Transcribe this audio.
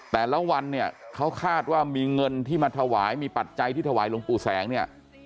แต่ละวันเนี่ยเขาคาดว่ามีเงินที่มาถวายมีปัจจัยที่ถวายหลวงปู่แสงเนี่ย